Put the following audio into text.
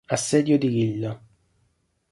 Assedio di Lilla